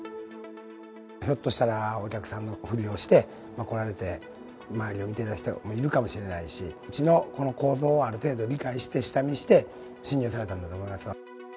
ひょっとしたらお客さんのふりをして、来られて、周りを見てた人がいるかもしれないし、うちのこの構造をある程度理解して、下見して、侵入されたんだと思います。